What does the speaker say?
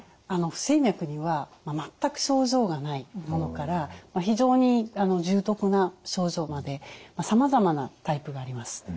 不整脈には全く症状がないものから非常に重篤な症状までさまざまなタイプがあります。